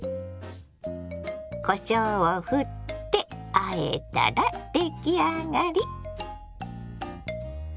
こしょうをふってあえたら出来上がり。